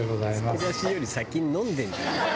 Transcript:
「つきだしより先に飲んでんじゃねえか」